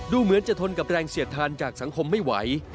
เหมือนจะทนกับแรงเสียดทานจากสังคมไม่ไหว